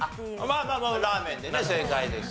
まあまあラーメンでね正解です。